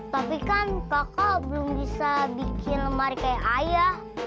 tapi kan kakak belum bisa bikin lemari kayak ayah